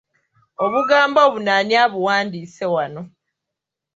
Obugambo buno ani abuwandiise wano.